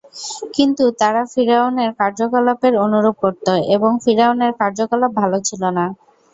কিন্তু তারা ফিরআউনের কার্যকলাপের অনুরূপ করত এবং ফিরআউনের কার্যকলাপ ভাল ছিল না।